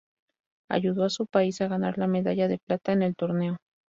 Ayudó a su país a ganar la medalla de plata en el torneo.